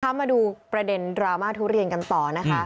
มาดูประเด็นดราม่าทุเรียนกันต่อนะคะ